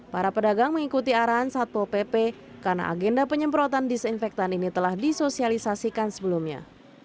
para pedagang mengikuti arahan satpol pp karena agenda penyemprotan disinfektan ini telah disosialisasikan sebelumnya